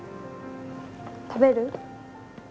食べる？